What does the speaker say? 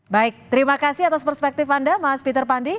baik terima kasih atas perspektif anda mas peter pandi